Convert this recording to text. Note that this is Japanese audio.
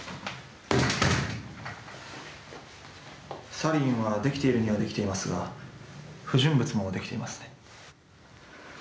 サリンは出来ているには出来ていますが不純物も出来ていますね。